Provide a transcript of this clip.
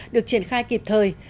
được triển khai kịp thời